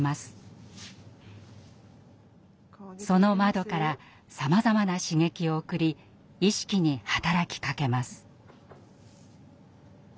その窓からさまざまな刺激を送り「意識」に働きかけます。